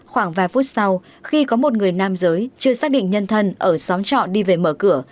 khoảng vài phút sau khi có một người nam giới chưa xác định nhân thân ở xóm trọ đi về mở cửa